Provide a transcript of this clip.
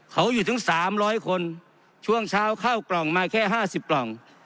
เขาอยู่ถึงสามร้อยคนช่วงเช้าเข้ากล่องมาแค่ห้าสิบกล่อง